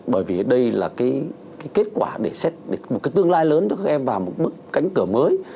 bởi vì đây là cái kết quả để xét một cái tương lai lớn đưa các em vào một bức cánh cửa mới